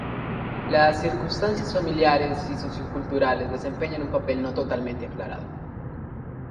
Las circunstancias familiares y socioculturales desempeñan un papel no totalmente aclarado.